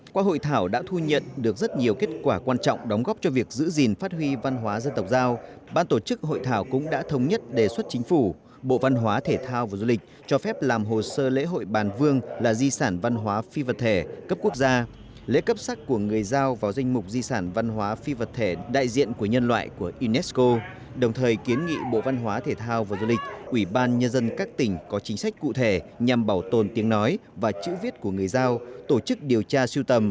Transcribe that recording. qua hội thảo đã thu nhận được rất nhiều kết quả quan trọng đóng góp cho việc giữ gìn phát huy văn hóa dân tộc giao ban tổ chức hội thảo cũng đã thống nhất đề xuất chính phủ bộ văn hóa thể thao và du lịch cho phép làm hồ sơ lễ hội bàn vương là di sản văn hóa phi vật thể cấp quốc gia lễ cấp sắc của người giao vào danh mục di sản văn hóa phi vật thể đại diện của nhân loại của unesco đồng thời kiến nghị bộ văn hóa thể thao và du lịch ủy ban nhân dân các tỉnh có chính sách cụ thể nhằm bảo tồn tiếng nói và chữ viết của người giao